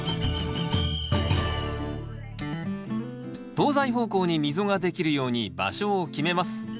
東西方向に溝ができるように場所を決めます。